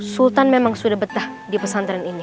sultan memang sudah betah di pesantren ini